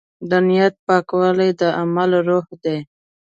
د نیت پاکوالی د عمل روح دی.